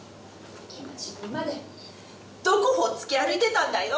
「今時分までどこほっつき歩いてたんだよ！」